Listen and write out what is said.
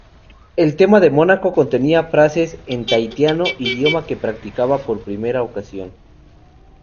El tema de Mónaco contenía frases en tahitiano, idioma que participaba por primera ocasión.